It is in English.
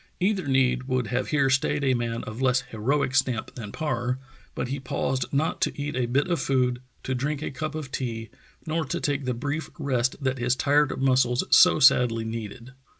Either need would have here stayed a man of less heroic stamp than Parr, but he paused not to eat a bit of food, to drink a cup of tea, nor to take the brief rest that his tired muscles so sadly needed.